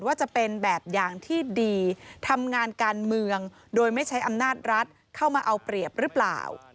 จะเป็นแบบอย่างที่ดีทำงานการเมืองโดยไม่ใช้อำนาจรัฐเข้ามาเอาเปรียบหรือเปล่า